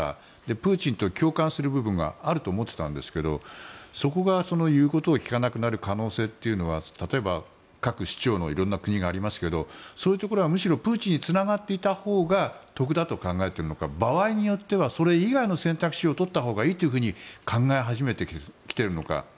プーチンと共感する部分があると思ってたんですけどそこが言うことを聞かなくなる可能性というのは例えば、各首長のいろいろな国がありますけどそういうところはむしろプーチンにつながっていたほうが得だと考えているのか場合によってはそれ以外の選択肢をとったほうがいいというふうに考え始めてきているのか。